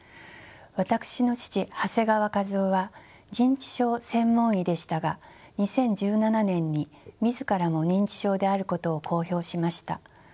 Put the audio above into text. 私の父長谷川和夫は認知症専門医でしたが２０１７年に自らも認知症であることを公表しました。